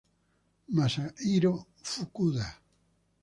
Masahiro Fukuda